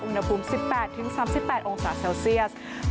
อุณหภูมิ๑๘๓๘องศาเซลเซียส